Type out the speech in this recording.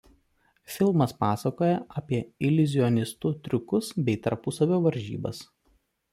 Filmas pasakoja apie iliuzionistų triukus bei tarpusavio varžybas.